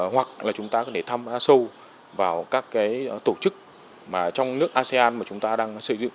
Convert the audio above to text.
hoặc là chúng ta có thể thăm sâu vào các tổ chức trong nước asean mà chúng ta đang sử dụng